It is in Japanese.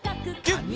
ギュッ！